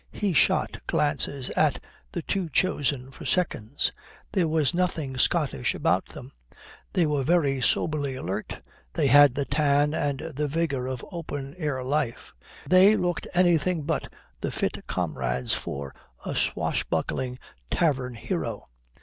He shot glances at the two chosen for seconds. There was nothing sottish about them. They were very soberly alert, they had the tan and the vigour of open air life. They looked anything but the fit comrades for a swashbuckling tavern hero.